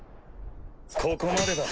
ここまでだ。